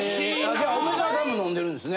じゃあ梅沢さんも飲んでるんですね。